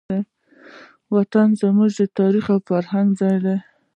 وطن زموږ د تاریخ او فرهنګ ځای دی.